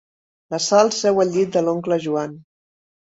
La Sal seu al llit de l'oncle Joan.